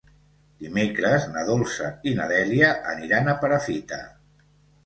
Dimecres na Dolça i na Dèlia aniran a Perafita.